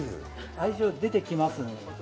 愛情出てきますね。